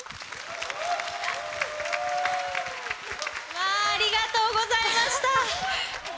わー、ありがとうございました。